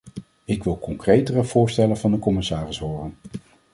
Ik wil concretere voorstellen van de commissaris horen.